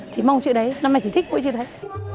chỉ mong chữ đấy năm này chỉ thích cũng chữ đấy